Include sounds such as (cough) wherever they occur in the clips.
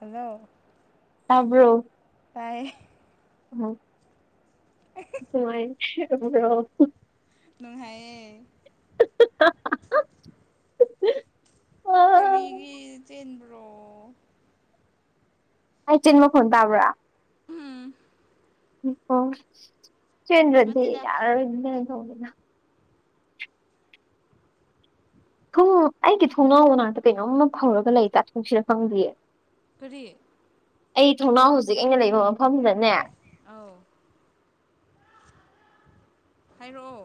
hello ꯇꯕ꯭ꯔꯣ ꯇꯥꯏ ꯑꯣꯃꯥꯏ (inaudible) ꯅꯨꯡ ꯍꯥꯏꯌꯦ (inaudible) ꯀꯔꯤꯒꯤ ꯆꯦꯟꯕ꯭ꯔꯣ ꯍꯥꯏ ꯇꯤꯟ ꯃꯈꯣꯟ ꯇꯥꯕ꯭ꯔꯥ (inaudible) ꯁꯤꯗꯤ ꯌꯥꯔ ꯇꯡꯂꯅ ꯊꯨꯝ ꯑꯩꯒꯤ ꯊꯣꯡꯅꯥꯎ ꯃꯅꯥꯛꯇ ꯀꯩꯅꯣꯝꯃ ꯐꯧꯔꯒ ꯂꯩ ꯇ ꯊꯨꯡꯁꯤꯗ ꯐꯪꯗꯌꯦ ꯐꯔꯤ ꯑꯩ ꯊꯣꯡꯅꯥꯎ ꯍꯧꯖꯤꯛ ꯑꯩꯅ ꯂꯩꯕ ꯃꯐꯝꯗꯅꯦ ꯑꯧ ꯍꯥꯏꯔꯛꯑꯣ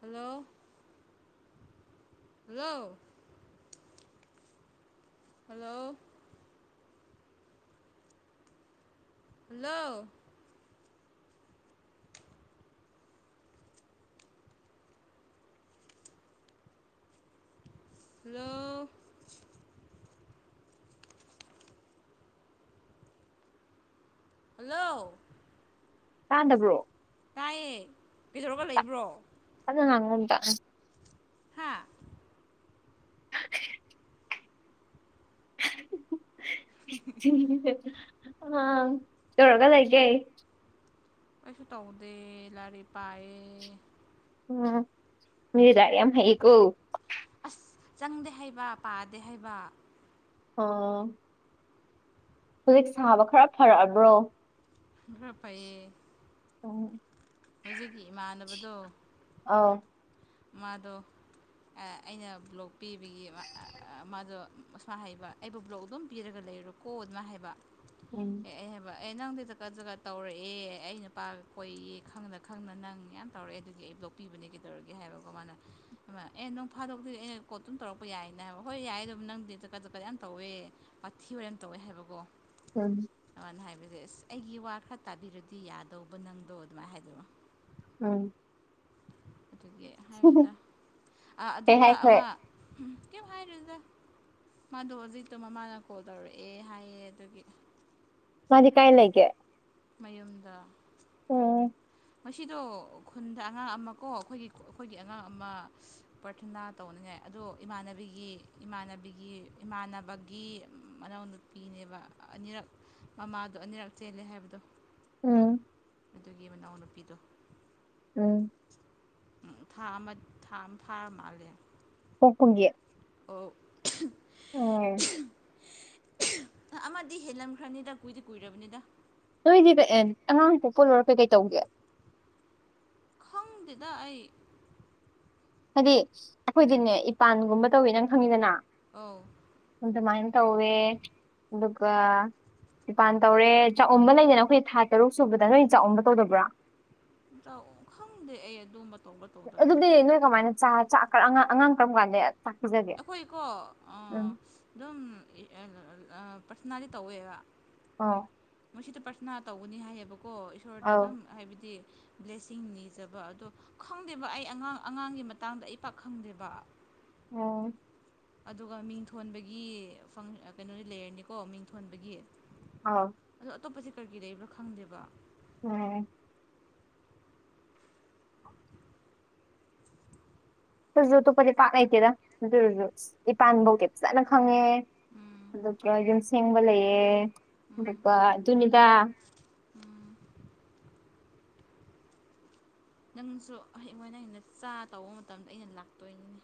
ꯍꯜꯂꯣ ꯌꯥꯜꯂꯑꯣ ꯍꯜꯂꯣ ꯍꯂꯣ ꯍꯜꯂꯣ ꯍꯜꯂꯣ ꯇꯥꯟꯗꯕ꯭ꯔꯣ ꯇꯥꯏꯌꯦ ꯄꯤꯊꯣꯔꯒ ꯂꯩꯕ꯭ꯔꯣ (inaudible) ꯍꯥꯥ (inaudible) ꯑ ꯇꯧꯔꯒ ꯂꯩꯥꯛꯒꯦꯏ ꯀꯩꯁꯨ ꯇꯧꯗꯦ ꯂꯥꯏꯔꯤ ꯄꯥꯏꯌꯦ ꯎꯝ ꯃꯗꯤ ꯗꯥꯔꯤꯌꯥ ꯍꯀꯣ ꯑꯁ ꯆꯪꯗꯦ ꯍꯥꯏꯩꯕ ꯄꯥꯗꯦ ꯍꯥꯏꯕ ꯑꯣ ꯍꯧꯖꯤꯛ ꯁꯥꯕ ꯈꯔ ꯐꯔꯛꯑꯕ꯭ꯔꯣ ꯄꯌꯦ ꯑꯣ ꯍꯧꯖꯤꯛꯀꯤ ꯏꯃꯥꯟꯅꯕꯗꯣ ꯑꯥ ꯃꯥꯗ ꯑꯩꯅ ꯕ꯭ꯂꯣꯛ ꯄꯤꯕꯒꯤ ꯃꯥꯗꯣꯁꯃꯥ ꯍꯩꯕ ꯑꯩꯕꯨ ꯕ꯭ꯂꯣꯛ ꯑꯗꯨꯝ ꯄꯤꯔꯒꯗꯤ ꯂꯩꯔꯣꯀꯣ ꯑꯗꯨꯃ ꯍꯥꯏꯕ ꯎꯝ ꯑꯦ ꯑꯩ ꯍꯥꯏꯕ ꯑꯦ ꯅꯪꯗꯨꯗꯀꯗꯨꯒ ꯇꯧꯔꯛꯑꯦ ꯑꯩ ꯅꯨꯄꯥꯒ ꯀꯣꯏꯌꯦ ꯈꯪꯅ ꯈꯪꯗꯅ ꯅꯪ ꯌꯥꯝ ꯇꯧꯔꯛꯑꯦ ꯑꯗꯨꯒꯤ ꯑꯩ ꯂꯣꯛꯄꯤꯕꯅꯤ ꯀꯩꯗꯧꯔꯒꯦ ꯍꯥꯏꯕꯀꯣ ꯃꯥꯅ ꯑꯦ ꯅꯪ ꯐꯥꯗꯣꯛꯇꯣꯏꯦ ꯑꯩꯅ ꯀꯣꯠꯇꯝ ꯇꯧꯔꯛꯄ ꯌꯥꯏꯅ ꯍꯥꯏꯕ ꯍꯣꯏ ꯌꯥꯏꯌꯦ ꯑꯗꯨꯝ ꯅꯪꯗꯤ ꯆꯠꯄꯗ ꯌꯥꯝ ꯇꯧꯋꯦ ꯄꯥꯊꯤ ꯑꯣꯏꯔ ꯌꯥꯝ ꯇꯧꯋꯦ ꯍꯥꯏꯕꯀꯣ ꯎꯝ ꯑꯗꯨꯃꯅ ꯍꯥꯏꯕꯤꯁ ꯑ ꯑꯦꯁ ꯑꯩꯒꯤ ꯋꯥ ꯈꯔ ꯇꯥꯕꯤꯔꯗꯤ ꯌꯥꯗꯧꯕ ꯅꯪꯗꯣ ꯑꯗꯨꯃꯥꯏꯅ ꯍꯥꯏꯕꯤꯔꯛꯣ ꯎꯝ ꯑꯗꯨꯒꯤ ꯍꯥꯏꯕꯅꯤꯗ ꯀꯩ ꯑꯗꯨꯒ ꯍꯥꯏꯈ꯭ꯔꯦ ꯑꯃ ꯀꯦꯝ ꯍꯥꯏꯥꯏꯔꯦꯖ ꯃꯥꯗꯣ ꯍꯧꯖꯤꯛꯇꯣ ꯃꯃꯥꯅ ꯀꯣꯜ ꯇꯧꯔꯛꯑꯦ ꯍꯥꯏꯌꯦ ꯑꯗꯨꯒꯤ ꯃꯥꯖꯤ ꯀꯥꯏ ꯂꯩ ꯀꯦ ꯃꯌꯨꯝꯗ ꯑꯣ ꯉꯗꯣ ꯈꯨꯟꯗ ꯑꯉꯥꯡ ꯑꯃ ꯀꯣ ꯑꯩꯈꯣꯏꯒꯤ ꯑꯩꯈꯣꯏꯒꯤ ꯑꯉꯥꯡ ꯑꯃ ꯄ꯭ꯔꯔꯊꯅꯥ ꯇꯧꯅꯤꯡꯉꯥꯏ ꯑꯗꯣ ꯏꯃꯥꯟꯅꯕꯤꯒꯤ ꯏꯃꯥꯟꯅꯕꯤꯒꯤ ꯏꯃꯥꯟꯅꯕꯒꯤ ꯃꯅꯥꯎꯅꯨꯄꯤꯅꯦꯕ ꯑꯅꯤꯔꯛ ꯃꯃꯥꯗꯣ ꯑꯅꯤꯔꯛ ꯆꯦꯜꯂꯦ ꯍꯥꯏꯕꯗꯣ ꯎꯝ ꯑꯗꯨꯒꯤ ꯃꯅꯥꯎꯅꯨꯄꯤꯗꯣ ꯎꯝ ꯎꯝ ꯊꯥ ꯑꯃ ꯊꯥ ꯑꯃ ꯊꯥꯔ ꯃꯥꯜꯂꯦ ꯄꯄꯨꯒꯤ ꯑꯣꯐ ꯑ ꯑꯃꯗꯤ ꯍꯦꯜꯂꯝꯈ꯭ꯔꯅꯤꯗ ꯀꯨꯏꯗꯤ ꯀꯨꯏꯔꯕꯅꯤꯗ ꯅꯣꯏꯗꯤ ꯑꯦ ꯑꯉꯥꯡ ꯄꯣꯛꯄ ꯂꯧꯔꯛ ꯀꯩ ꯀꯩ ꯇꯧꯒꯦ ꯈꯪꯗꯦꯗ ꯑꯩ ꯍꯥꯏꯗꯤ ꯑꯩꯈꯣꯏꯗꯤꯅꯦ ꯏꯄꯥꯟꯒꯨꯝꯕ ꯇꯧꯋꯤ ꯅꯪ ꯈꯪꯉꯤꯗꯅ ꯑꯧ ꯑꯗꯨꯃꯥꯏꯅ ꯇꯧꯋꯦ ꯑꯗꯨꯒ ꯏꯄꯥꯟ ꯇꯧꯔꯦ ꯆꯥꯛꯎꯝꯕ ꯂꯩꯗꯅ ꯑꯩꯈꯣꯏ ꯊꯥ ꯇꯔꯨꯛ ꯁꯨꯕꯗ ꯅꯣꯏ ꯆꯥꯛꯎꯕ ꯇꯧꯗꯕ꯭ꯔꫭ ꯆꯥꯛꯎꯝ ꯈꯪꯗꯦ ꯑꯩ ꯑꯗꯨ ꯑꯗꯨꯗꯤ ꯅꯣꯏ ꯀꯃꯥꯏꯅ ꯆ ꯆꯥꯛ ꯀꯔꯝ ꯑꯡꯉꯥꯡ ꯀꯔꯝ ꯀꯥꯟꯗꯩ ꯑꯩꯈꯣꯏꯀꯣ ꯑꯥ ꯑꯗꯨꯝ ꯄ꯭ꯔꯥꯊꯅꯗꯤ ꯇꯧꯋꯦꯕ ꯑꫭ ꯃꯣꯏꯁꯤꯗ ꯄ꯭ꯥꯔꯊꯅꯥ ꯇꯧꯒꯅꯤ ꯍꯥꯏꯌꯦꯕꯀꯣ ꯏꯁꯣꫪꯗ ꯑꯗꯨꯝ ꯑꯧ ꯍꯥꯏꯕꯗꯤ ꯕ꯭ꯂꯦꯁꯤꯡ ꯅꯤꯖꯕ ꯑꯗꯣ ꯈꯪꯗꯦꯕ ꯑꯩ ꯑꯉꯥꯡ ꯑꯉꯥꯡꯒꯤ ꯃꯇꯥꯡꯗ ꯑꯩ ꯄꯥꯛ ꯈꯪꯗꯦꯕ ꯎꯝ ꯑꯗꯨꯒ ꯃꯤꯡ ꯊꯣꯟꯕꯒꯤ ꯐꯪ ꯀꯩꯅꯣꯗꯤ ꯂꯩꯔꯅꯤꯀꯣ ꯃꯤꯡ ꯊꯣꯟꯕꯒꯤ ꯑꯥ ꯑꯇꯣꯞꯄꯁꯤ ꯀꯔꯤ ꯀꯔꯤ ꯂꯩꯕ꯭ꯔ ꯈꯪꯗꯦꯕ ꯎꯝ ꯇꯨꯁꯨ ꯑꯇꯣꯞꯄꯗꯤ ꯄꯥꯛ ꯂꯩꯇꯦꯗ ꯑꯗꯨꯔꯁꯨ ꯏꯄꯥꯟ ꯐꯥꯎꯗꯤ ꯐꯖꯅ ꯈꯪꯉꯦ ꯎꯝ ꯑꯗꯨꯒ ꯌꯨꯝ ꯁꯦꯡꯕ ꯂꯩꯌꯦ ꯎꯝ ꯑꯗꯨꯒ ꯑꯗꯨꯅꯤꯗ ꯅꯪꯁꯨ ꯍꯌꯦꯡꯋꯥꯏ ꯅꯪꯒꯤ ꯅꯆꯥ ꯇꯧꯕ ꯃꯇꯝꯗ ꯑꯩꯅ ꯂꯥꯛꯇꯣꯏꯅꯤꯅꯦ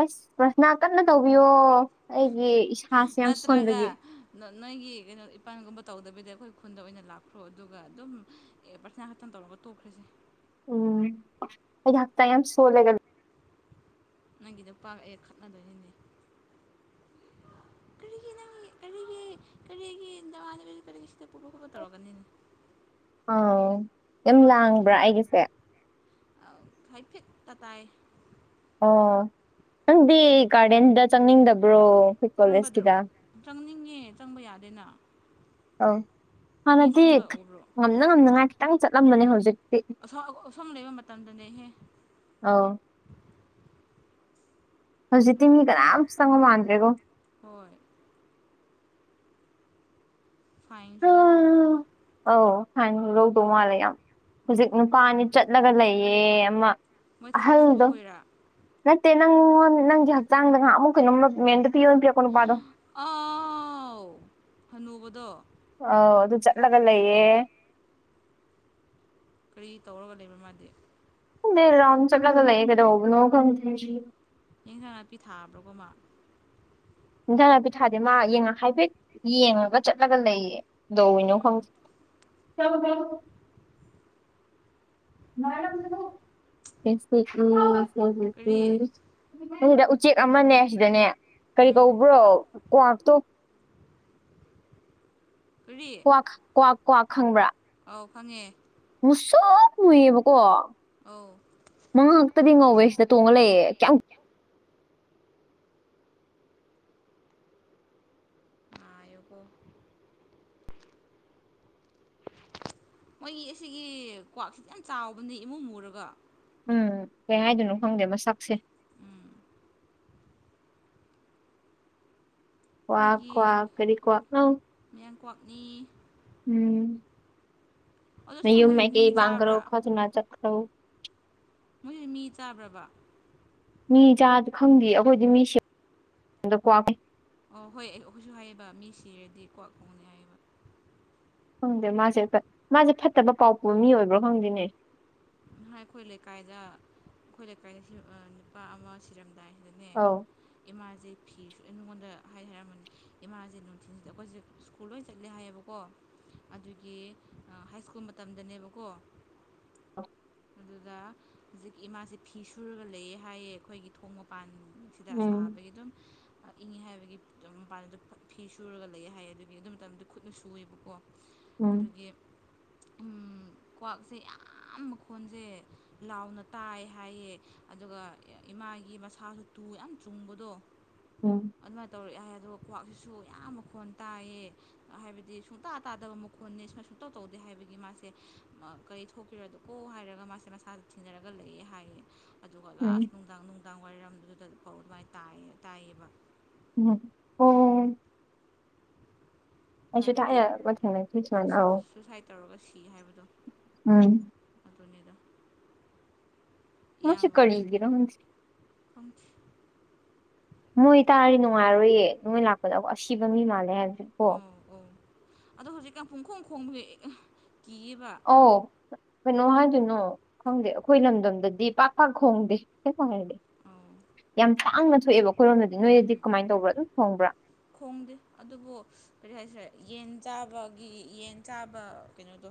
ꯑꯁ ꯄ꯭ꯔꯥꯊꯅ ꯀꯟꯅ ꯇꯧꯕꯤꯌꯣ ꯑꯩꯒꯤ ꯏꯁꯥꯁꯦ ꯌꯥꯝ ꯁꯣꯟꯕꯒꯤ ꯅꯠꯇ꯭ꯔꯒ ꯅꯣꯏꯒꯤ ꯀꯩꯅꯣ ꯏꯄꯥꯟꯒꯨꯝꯕ ꯇꯧꯗꯕꯤꯗ ꯑꯩꯈꯣꯏ ꯈꯨꯟꯗ ꯑꯣꯏꯅ ꯂꯥꯛꯈ꯭ꯔꯣ ꯑꯗꯨꯒ ꯑꯗꯨꯝ ꯑꯦ ꯄ꯭ꯔꯥꯊꯅ ꯈꯛꯇꯪ ꯇꯧꯔ ꯑꯣꯠꯇꯣꯛꯈ꯭ꯔꯁꯦ ꯎꯝ ꯑꯩꯗꯤ ꯍꯛꯆꯥꯡ ꯌꯥꯝ ꯁꯣꯜꯂꯦꯒ ꯅꯪꯒꯤ ꯅꯨꯄꯥꯒ ꯑꯩꯒ ꯈꯠꯅꯗꯣꯏꯅꯤꯅꯦ ꯀꯔꯤꯒꯤ ꯅꯪꯒꯤ ꯀꯔꯤꯒꯤ ꯀꯔꯤꯒꯤ ꯗꯃꯥꯅꯕꯤ ꯀꯔꯤꯒꯤꯁꯤꯗ ꯄꯨꯕ ꯈꯣꯠꯄ ꯇꯧꯔꯛꯀꯅꯤꯅꯦ ꯑꯥꯎ ꯌꯥꯝ ꯂꯥꯡꯕ꯭ꯔ ꯑꯩꯒꯤꯁꯦ ꯐꯤꯠꯇ ꯇꯥꯏ ꯑꯣ ꯅꯪꯗꯤ ꯒꯥꯔꯗꯦꯟꯗ ꯆꯪꯅꯤꯡꯗꯕ꯭ꯔꯣ ꯑꯩꯈꯣꯏ ꯀꯔꯝꯕꯗꯔꯣ ꯀꯣꯂꯦꯖꯀꯤꯗ ꯆꯪꯅꯤꯡꯉꯦ ꯆꯪꯕ ꯌꯥꯗꯦꯅ ꯑꯧ ꯃꯤ ꯍꯥꯟꯅꯗꯤ ꯆꯪꯕ ꯎꯕ꯭ꯔꯣ ꯉꯝꯅ ꯉꯝꯅꯉꯥꯏ ꯈꯤꯇꯪ ꯆꯠꯂꯝꯕꯅꯦ ꯍꯧꯖꯤꯛ ꯑꯁꯥꯎ ꯑꯁꯣꯝ ꯂꯩꯕ ꯃꯇꯝꯗꯅꯦꯍꯦ ꯑꯧ ꯍꯧꯖꯤꯛꯇꯤ ꯃꯤ ꯍꯧꯖꯤꯛ ꯀꯅꯥꯝ ꯆꯪꯕ ꯃꯥꯟꯗ꯭ꯔꯦꯕꯣ ꯍꯣꯏ ꯐꯥꯏꯟꯁꯨꯨ ꯂꯧꯗꯧ ꯃꯥꯟꯂꯦ ꯐꯥꯏꯟ ꯂꯧꯗꯧ ꯃꯥꯜꯂꯦ ꯌꯥꯝ ꯕ꯭ꯔꯣ ꯍꯧꯖꯤꯛ ꯅꯨꯄꯥꯅꯤ ꯆꯠꯂꯒ ꯂꯩꯌꯦ ꯑꯃ ꯃꯣꯏ ꯊꯕꯛ ꯁꯨꯕ ꯑꯍꯜꯗꯣ ꯈꯣꯏꯔꯥ ꯅꯠꯇꯦ ꯅꯪꯉꯣꯟ ꯅꯪꯒꯤ ꯍꯛꯆꯥꯡꯗ ꯉꯍꯥꯟꯃꯨꯛ ꯀꯩꯅꯣꯝꯃ ꯃꯦꯝꯗ ꯑꯥꯎ ꯍꯅꯨꯕꯗꯣ ꯑꯥꯎ ꯑꯗꯨ ꯆꯠꯂꯒ ꯂꯩꯌꯦ ꯀꯔꯤ ꯇꯧꯔꯒ ꯂꯩꯕ ꯃꯥꯗꯦ ꯈꯪꯗꯦ ꯔꯥꯎꯟ ꯆꯠꯂꯒ ꯂꯩꯌꯦ ꯀꯩꯗꯧꯕꯅꯣ ꯈꯪꯗꯦ ꯏꯟꯁꯥꯡ ꯅꯥꯄꯤ ꯊꯥꯕ꯭ꯔꯣꯀꯣ ꯃꯥ ꯍꯤꯟꯖꯥꯡ ꯅꯥꯄꯤ ꯊꯥꯗꯦ ꯃꯥ ꯌꯦꯡꯉ ꯍꯥꯏꯐꯦꯠ ꯌꯦꯡꯉꯒ ꯆꯠꯂꯒ ꯂꯩꯌꯦ ꯗꯧꯔꯤꯅꯣ ꯎꯝ ꯈꯪꯗꯦ (unintelligible) (unintelligible) ꯀꯔꯤ ꯈꯪꯗꯦ ꯎꯆꯦꯛ ꯑꯃꯅꯦ ꯁꯤꯗꯅꯦ ꯀꯔꯤ ꯎꯝ ꯀꯧꯕ꯭ꯔꯣ ꯀ꯭ꯋꯥꯛꯇꯣ (inaudible) ꯀꯔꯤ ꯀ꯭ꯋꯥꯛ ꯀ꯭ꯋꯥꯛ ꯀ꯭ꯋꯥꯛ ꯈꯪꯕ꯭ꯔꯥ ꯑꯧ ꯈꯪꯉꯦ ꯃꯨꯁꯨꯛ ꯃꯨꯏꯌꯦꯕ ꯀꯣ ꯑꯧ ꯃꯉꯛꯇꯗꯤ ꯉꯧꯋꯦ ꯁꯤꯗ ꯇꯣꯡꯉ ꯂꯩꯌꯦ ꯀꯌꯥꯝ ꯉꯥꯏꯌꯨꯀꯣ ꯃꯣꯏꯒꯤ ꯑꯁꯤꯒꯤ ꯀ꯭ꯋꯥꯛꯁꯤꯗꯤ ꯌꯥꯝ ꯆꯥꯎꯕꯅꯦ ꯏꯃꯨ ꯃꯨꯔꯒ ꯎꯝ ꯀꯩ ꯍꯥꯏꯗꯣꯏꯅꯣ ꯈꯪꯗꯦ ꯃꯁꯛꯁꯦ ꯀ꯭ꯋꯥꯛ ꯑꯩꯈꯣꯏꯒꯤ ꯀ꯭ꯋꯥꯛ ꯀꯔꯤ ꯀ꯭ꯋꯥꯛꯅꯣ ꯀ꯭ꯋꯥꯛꯅꯤ ꯎꯝ ꯑꯗꯣ ꯑꯁꯦꯡꯕ ꯅꯌꯨꯝ ꯃꯣꯏꯁꯦ ꯃꯤ ꯃꯥꯏꯀꯩ ꯄꯥꯡꯈꯔꯣ ꯆꯥꯕ꯭ꯔꯥ ꯈꯔ ꯊꯨꯅ ꯆꯠ ꯑꯧ ꯃꯣꯏꯖꯦ ꯃꯤ ꯆꯥꯕ꯭ꯔꯕ ꯃꯤ ꯆꯥꯕꯗꯤ ꯈꯪꯗꯦ ꯑꯩꯈꯣꯏꯗꯤ ꯃꯤꯁꯤ (unintelligible) ꯗ ꯀ꯭ꯋꯥꯛ ꯑꯣ ꯍꯣꯏ ꯑꯩꯈꯣꯏꯁꯨ ꯍꯥꯏꯌꯦꯕ ꯃꯤ ꯁꯤꯔꯗꯤ ꯀ꯭ꯋꯥꯛ ꯈꯣꯡꯉꯅꯤ ꯍꯥꯏꯌꯦꯕ ꯈꯪꯗꯦ ꯃꯥꯁꯦ ꯃꯥꯁꯦ ꯐꯠꯇꯕ ꯄꯥꯎ ꯄꯨꯕ ꯃꯤ ꯑꯣꯏꯕ꯭ꯔꯥ ꯈꯪꯗꯦꯅꯦ ꯍ ꯑꯩꯈꯣꯏ ꯂꯩꯀꯥꯏꯗ ꯑꯩꯈꯣꯏ ꯂꯩꯀꯥꯏꯗ ꯅꯨꯄꯥ ꯑꯃ ꯁꯤꯔꯝꯗꯥꯏ ꯑꯥꯎ ꯃꯥꯖꯦ ꯐꯤꯁꯨ ꯑꯩꯉꯣꯟꯗ ꯍꯥꯏ ꯍꯥꯏꯔꯝꯃꯅꯤ ꯏꯃꯥꯖꯦ ꯅꯨꯡꯊꯤꯟꯖꯤꯗ ꯑꯩꯈꯣꯏꯖꯦ ꯁ꯭ꯀꯨꯜ ꯂꯣꯏ ꯆꯠꯂꯦ ꯍꯥꯏꯌꯦꯕꯀꯣ ꯑꯗꯨꯒꯤ ꯍꯥꯏ ꯁ꯭ꯀꯨꯜ ꯃꯇꯝꯗꯅꯦꯕꯀꯣ ꯑ ꯑꯗꯨꯗ ꯍꯧꯖꯤꯛ ꯏꯃꯥꯁꯦ ꯐꯤ ꯁꯨꯔꯒ ꯂꯩꯌꯦ ꯍꯥꯏꯌꯦ ꯑꯩꯈꯣꯏꯒꯤ ꯊꯣꯡ ꯃꯄꯥꯟ ꯁꯤꯗ ꯎꯝ ꯁꯥꯕꯒꯤ ꯑꯗꯨꯝ ꯏꯪꯉꯦ ꯍꯥꯏꯕꯒꯤ ꯃꯄꯥꯟꯗꯨꯗ ꯐꯤ ꯁꯨꯔꯒ ꯂꯩꯌꯦ ꯍꯥꯏꯌꯦ ꯑꯗꯨꯒꯤ ꯑꯗꯨ ꯃꯇꯝꯗ ꯈꯨꯠꯅ ꯁꯨꯑꯦꯕꯀꯣ ꯎꯝ ꯎꯝ ꯀ꯭ꯋꯥꯛꯁꯦ ꯌꯥꯝ (unintelligible) ꯈꯣꯟꯁꯦ ꯂꯥꯎꯅ ꯇꯥꯏ ꯍꯥꯏꯌꯦ ꯑꯗꯨꯒ ꯏꯃꯥꯒꯤ ꯃꯁꯥꯁꯨ ꯇꯨ ꯌꯥꯝ ꯇꯨꯡꯕꯗꯣ ꯎꯝ ꯑꯗꯨꯃꯥꯏꯅ ꯇꯧꯔꯛꯑꯦ ꯍꯥꯏ ꯑꯗꯨꯒ ꯀ꯭ꯋꯥꯛꯁꯤꯁꯨ ꯌꯥꯝ ꯃꯈꯣꯟ ꯇꯥꯏꯌꯦ ꯍꯥꯏꯕꯗꯤ ꯁꯨꯡꯇꯥ ꯇꯥꯗꯕ ꯃꯈꯣꯟꯅꯤ ꯁꯨꯃꯥꯏ ꯁꯨꯡꯇꯧ ꯇꯧꯗꯦ ꯍꯥꯏꯕꯒꯤ ꯃꯥꯁꯦ ꯀꯔꯤ ꯊꯣꯛꯈꯤꯔꯗꯣ ꯀꯣ ꯍꯥꯏꯔꯒ ꯃꯥꯁꯦ ꯃꯁꯥꯗ ꯊꯤꯅꯔꯒ ꯂꯩꯌꯦ ꯍꯥꯏꯌꯦ ꯑꯗꯨꯒ ꯎꯝ ꯂꯥꯁ ꯅꯨꯡꯗꯥꯡ ꯅꯨꯡꯗꯥꯡ ꯋꯥꯏꯔꯝꯗꯨꯗ ꯄꯥꯎ ꯃꯥꯏ ꯇꯥꯏ ꯇꯥꯏꯌꯦꯕ (inaudible) ꯑꯩꯁꯨ ꯍꯥꯏꯕꯗꯤ ꯊꯥꯏꯅ ꯑꯃ ꯊꯦꯡꯅꯈꯤ ꯁꯨꯃꯥꯏꯅ ꯑꯧ ꯁꯨꯏꯁꯥꯏꯠ ꯇꯧꯔꯒ ꯁꯤ ꯍꯥꯏꯕꯗꯣ ꯎꯝ ꯑꯗꯨꯅꯤꯗ ꯃꯣ ꯁꯤ ꯏꯌꯥꯝꯕ ꯑꯩ ꯀꯒꯔꯣ ꯈꯪꯗꯦ ꯃꯣꯏ ꯇꯔ ꯅꯨꯡꯉꯥꯏꯔꯣꯏꯌꯦ ꯅꯣꯏ ꯂꯥꯛꯄꯗ ꯑꯁꯤꯕ ꯃꯤ ꯃꯥꯜꯂꯦ ꯍꯥꯏꯕꯁꯨ ꯀꯣ ꯑꯧ ꯑꯧ ꯑꯗꯣ ꯍꯧꯖꯤꯛꯀ ꯄꯨꯡꯈꯣꯡ ꯈꯣꯡ ꯑꯣ ꯃꯅꯣꯍ ꯀꯩꯅꯣ ꯈꯪꯗꯦ ꯑꯩꯈꯣꯏ ꯂꯝꯗꯝꯗꯗꯤ ꯄꯥꯛ ꯄꯥꯛ ꯈꯣꯡꯗꯦ ꯋꯥꯔꯗꯤꯦ ꯑꯧ ꯌꯥꯝ ꯇꯥꯡꯅ ꯊꯣꯛꯑꯦꯕꯀ ꯀꯣꯏꯔꯣꯝꯅꯗꯤ ꯅꯣꯏꯗꯗꯤ ꯀꯃꯥꯏꯅ ꯇꯧꯕ ꯑꯗꯨꯝ ꯐꯣꯡꯕ꯭ꯔꯥ ꯈꯣꯡꯗꯦ ꯑꯗꯨꯕꯨ ꯀꯔꯤ ꯍꯥꯏꯁꯤꯔꯦ ꯌꯦꯟ ꯆꯥꯕꯒꯤ ꯌꯦꯟ ꯆꯥꯕ ꯀꯩꯅꯣꯗꯣ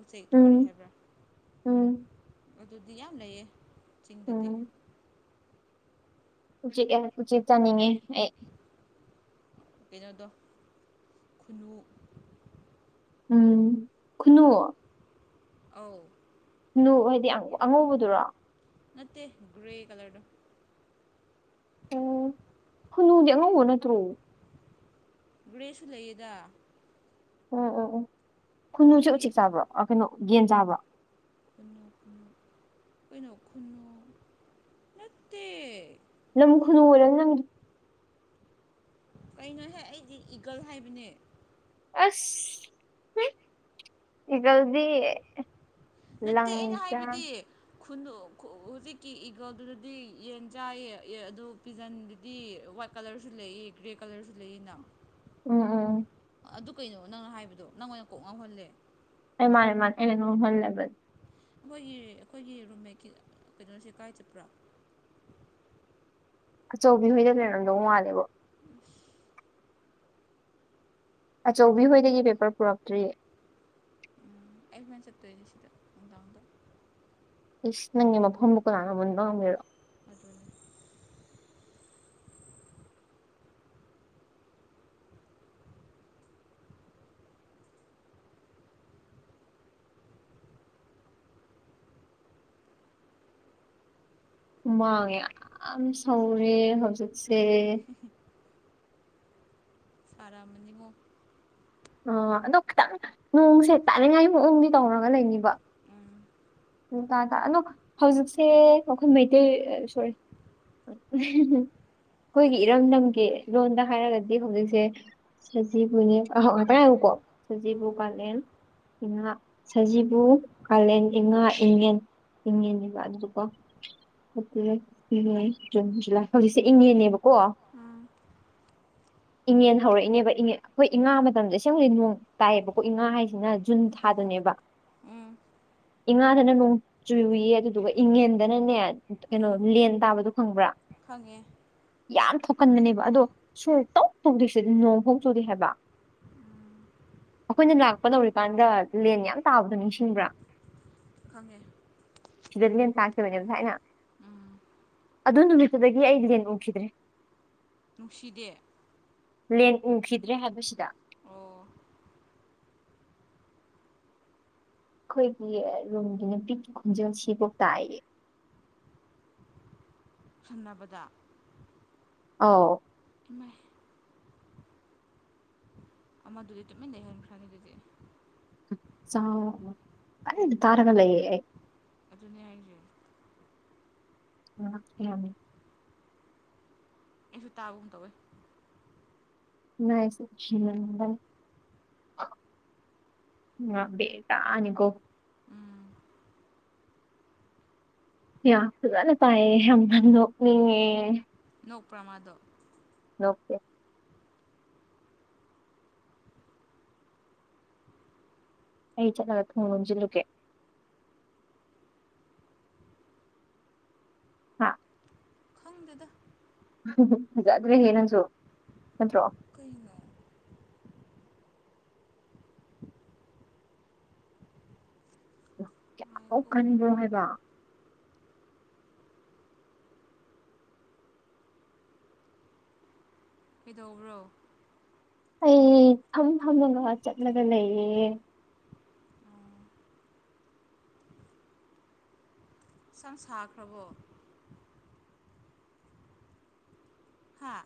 ꯎꯆꯦꯛꯇꯣ ꯀꯔꯤ ꯎꯝ ꯍꯥꯏꯕ꯭ꯔꯥ ꯎꯝ ꯑꯗꯨꯗꯤ ꯌꯥꯝ ꯂꯩꯌꯦ ꯆꯗꯗꯤ ꯎꯝ ꯎꯆꯦꯛ ꯎꯆ ꯆꯥꯅꯤꯡꯉꯤ ꯑꯩ ꯀꯩꯅꯣꯗ ꯈꯨꯟꯅꯨ ꯎꯝ ꯈꯨꯅꯨ ꯑꯧ ꯅꯨ ꯍꯥꯏꯗꯤ ꯑꯉꯧꯕꯗꯨꯔꯣ ꯅꯠꯇꯦ ꯒ꯭ꯔꯦ ꯀꯂꯔꯗꯨ ꯎꯝ ꯈꯨꯅꯨꯗꯤ ꯑꯉꯧꯕ ꯅꯠꯇ꯭ꯔꯣ ꯒ꯭ꯔꯦꯁꯨ ꯂꯩꯌꯦꯗ ꯎꯝ ꯎꯝ ꯎꯝ ꯈꯨꯟꯅꯨꯁꯨ ꯑꯩꯈꯣꯏꯒꯤ ꯎꯆꯦꯛ ꯆꯥꯕ꯭ꯔꯣ ꯀꯩꯅꯣ ꯌꯦꯟ ꯆꯥꯕ꯭ꯔꯥ ꯈꯨꯅꯨ ꯀꯩꯅꯣ ꯈꯨꯅꯨ ꯅꯠꯇꯦ ꯅꯪ ꯈꯨꯅꯨ ꯑꯣꯏꯔ ꯅꯤ ꯀꯩꯅꯣꯍ ꯑꯩꯗꯤ ꯏꯒꯜ ꯍꯥꯏꯕꯅꯦ ꯑꯁ ꯏꯒꯜꯗꯤ ꯅꯠꯇꯦ ꯑꯩꯅ ꯂꯪꯖꯥ ꯍꯥꯏꯕꯗꯤ ꯈꯨꯟ ꯍꯧꯖꯤꯛꯀꯤ ꯏꯒꯜꯗꯨꯗꯤ ꯌꯦꯟ ꯆꯥꯏꯌꯦ ꯑꯗꯨ ꯄꯤꯖꯟꯗꯨꯗꯤ ꯋꯥꯏꯠ ꯀꯂꯔꯁꯨ ꯂꯩꯏ ꯒ꯭ꯔꯦ ꯀꯂꯔꯁꯨ ꯂꯩꯏꯅ ꯎꯝ ꯎꯝ ꯑꯗꯨ ꯀꯩꯅꯣ ꯅꯪꯅ ꯍꯥꯏꯕꯗꯣ ꯅꯪ ꯑꯣꯏꯅ ꯀꯣꯛ ꯉꯧꯍꯜꯂꯦ ꯑꯦ ꯃꯥ ꯑꯦ ꯃꯥꯅꯦꯅꯦ ꯍꯜꯂꯦꯕ ꯑꯩꯈꯣꯏꯒꯤ ꯑꯩꯈꯣꯏꯒꯤ ꯔꯨꯝꯃꯦꯠꯀꯤ ꯀꯩꯅꯣꯁꯦ ꯀꯥꯏ ꯆꯠꯄ꯭ꯔꯥ ꯑꯆꯧꯕꯤꯍꯣꯏꯗ ꯂꯩꯔꯝꯗꯧ ꯃꯥꯜꯂꯦꯕ ꯑꯆꯧꯕꯤ ꯍꯣꯏꯗꯒꯤ ꯄꯦꯄꯔ ꯄꯨꯔꯛꯇ꯭ꯔꯤꯌꯦ ꯎꯝ ꯑꯜꯃ ꯆꯠꯇꯖꯁꯤꯗ ꯑꯣꯗ ꯏꯁꯁ ꯅꯪꯒꯤ ꯃꯐꯝꯕꯨꯀ ꯂꯥꯟꯅ ꯃꯟꯕ ꯉꯪꯕꯤꯔꯣ ꯑꯗꯨꯅꯦ ꯍꯨꯃꯥꯡꯉꯦ ꯌꯥꯝ ꯁꯧꯔꯦ ꯍꯧꯖꯤꯛꯁꯦ ꯁꯔꯥ ꯃꯅꯤꯃꯣ ꯑꯣ ꯑꯗꯣ ꯈꯤꯇꯪ ꯅꯣꯡꯁꯦ ꯇꯥꯅꯤꯡꯉꯥꯏ ꯃꯑꯣꯡꯗꯤ ꯇꯧꯔꯒ ꯂꯩꯅꯤꯕ ꯎꯝ ꯎꯝ ꯇꯥ ꯇꯥ ꯑꯗꯣ ꯍꯧꯖꯤꯛꯁꯦ ꯑꯩꯈꯣꯏ ꯃꯩꯇꯩ ꯁꯣꯔꯤ ꯑꯩꯈꯣꯏꯒꯤ ꯀꯔꯤ ꯏꯔꯝꯗꯝꯒꯤ ꯔꯣꯟꯗ ꯍꯥꯏꯔꯒꯗꯤ ꯍꯧꯖꯤꯛꯁꯦ ꯁꯖꯤꯕꯨꯅꯦ ꯉꯥꯛꯇ ꯍꯥꯏꯀꯣ ꯁꯖꯤꯕꯨ ꯎꯝ ꯀꯥꯂꯦꯟ ꯥ ꯁꯖꯤꯕꯨ ꯀꯥꯂꯦꯟ ꯏꯉꯥ ꯍ ꯍꯅꯤꯕꯥꯗꯨꯀꯣ ꯑꯗꯨ ꯃ ꯖꯨꯟ ꯖꯨꯂꯥꯏ ꯍꯧꯣꯖꯤꯛꯁꯦ ꯏꯪꯉꯦꯅꯦꯕꯀꯣ ꯀꯣ ꯎꯝ ꯏꯉꯟ ꯍꯧꯔꯛꯏꯅꯦꯕ ꯏ ꯑꯩꯈꯣꯏ ꯏꯉꯥ ꯃꯇꯝꯗ ꯏꯁꯦꯡ ꯍꯧꯖꯤꯛ ꯅꯣꯡ ꯇꯥꯏꯌꯦꯕꯀꯣ ꯏ ꯉꯉꯥ ꯍꯥꯏꯁꯤꯅ ꯖꯨꯟ ꯊꯥꯗ ꯕ ꯎꯝ ꯏ ꯉꯥꯗꯅ ꯅꯣꯡ ꯆꯨꯌꯦ ꯑꯗꯨꯗꯨꯒ ꯏꯪꯉꯦꯟꯗꯅꯅꯦ ꯀꯩꯅꯣ ꯎꯝ ꯂꯦꯟ ꯇꯥꯕꯗꯨꯣ ꯈꯪꯕ꯭ꯔꯥ ꯈꯪꯉꯦ ꯌꯥꯝ ꯊꯣꯛꯀꯟꯕꯅꯦꯕ ꯑꯗꯣ ꯁꯨꯝ ꯇꯧ ꯇꯧꯗ꯭ꯔꯤꯁꯦ ꯅꯣꯡ ꯐꯧ ꯆꯨꯗꯦ ꯍꯥꯏꯕ ꯑꯩꯈꯣꯏꯅ ꯂꯥꯛꯄ ꯅꯧꯔꯤꯀꯥꯟꯗ ꯂꯦꯟ ꯌꯥꯝ ꯇꯥꯕꯗꯣ ꯅꯤꯡꯁꯤꯡꯕ꯭ꯔꯥ ꯈꯪꯉꯦ ꯁꯤꯗꯦꯟ ꯇꯥꯥꯁꯦꯕꯅꯦꯕ ꯊꯅ ꯎꯝ ꯑꯗꯨ ꯅꯨꯃꯤꯠꯇꯨꯗꯒꯤ ꯑꯩ ꯂꯦꯡ ꯎꯈꯤꯗ꯭ꯔꯦ ꯅꯨꯡꯁꯤꯗꯦ ꯂꯦꯟ ꯎꯈꯤꯗ꯭ꯔꯦ ꯍꯥꯏꯕꯁꯤꯗ ꯑꯣ ꯑꯩꯈꯣꯏꯒꯤ ꯔꯨꯝꯒꯤ ꯅꯨꯄꯤꯛꯀꯤ ꯈꯣꯟꯖꯣꯦꯜꯁꯤꯐꯥꯎ ꯇꯥꯏꯌꯦ ꯈꯟꯅꯅꯕꯗ ꯑꯥꯎ ꯏꯃꯥꯏ ꯑꯃꯥ ꯑꯗꯨꯗꯤ ꯇꯃꯤ ꯂꯩꯍꯦꯟ ꯈꯅꯤ ꯑꯗꯨꯗꯤ ꯥꯎ ꯑꯔ ꯇꯥꯔꯒ ꯂꯩ ꯑꯗꯨꯅꯦ ꯍꯥꯏꯁꯦ ꯎ ꯍꯅꯤ ꯑꯩꯁꯨ ꯇꯥꯕꯒꯨꯝ ꯇꯧꯋꯦ ꯉ ꯕꯦ ꯇꯥꯅꯤꯀꯣ ꯎꯝ ꯌꯥꯖꯅ ꯇꯥꯏꯝꯕꯅꯤ ꯅꯣꯛꯄ꯭ꯔꯃꯥꯗꯣ ꯑꯣꯀꯦ ꯑꯩ ꯆꯠꯂꯒ ꯊꯨꯡ ꯂꯣꯟꯁꯤꯜꯂꯨꯀꯦ ꯍꯥꯥ ꯈꯪꯗꯦꯗ ꯐꯖꯗ꯭ꯔꯦꯍꯦ ꯅꯪꯁꯨ ꯅꯠꯇ꯭ꯔꯣ ꯀꯩꯅꯣ ꯀꯌꯥꯃꯨꯛ ꯉꯥꯏꯌꯣꯀꯣ ꯀꯟꯕ꯭ꯔꯣ ꯍꯥꯏꯕ ꯄꯤꯗꯣꯛ꯭ꯔꯣ ꯑꯩ ꯐꯝ ꯊꯝꯃꯒ ꯆꯠꯂꯒ ꯂꯩꯌꯦ ꯎꯝ ꯁ ꯁꯥꯈ꯭ꯔꯕꯣ ꯍꯥꯥ